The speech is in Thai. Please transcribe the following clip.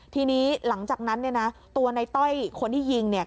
ทีนี้หลังจากนั้นเนี้ยน่ะตัวนายต้อยคนที่ยิงเนี้ย